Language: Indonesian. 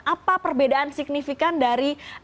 apa perbedaan signifikan dari